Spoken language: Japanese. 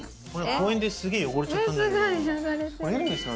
公園で汚れちゃったんだよな。